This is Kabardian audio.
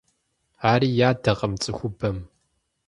Ари ядакъым цӀыхубэм…